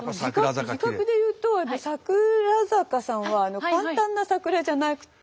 字画でいうと櫻坂さんは簡単な「桜」じゃなくて。